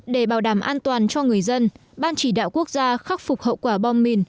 để bảo đảm an toàn cho người dân ban chỉ đạo quốc gia khắc phục hậu quả bom mìn